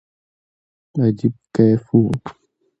عجيب کيف وو.